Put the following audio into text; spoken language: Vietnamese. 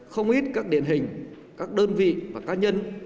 không ít các điển hình các đơn vị và cá nhân